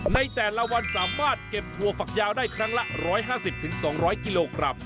ในแต่ละวันสามารถเก็บถั่วฝักยาวได้ครั้งละ๑๕๐๒๐๐กิโลกรัม